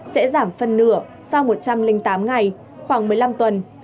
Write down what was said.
sẽ giảm phân nửa sang một trăm linh tám ngày khoảng một mươi năm tuần